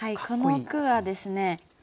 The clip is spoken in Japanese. この句はですね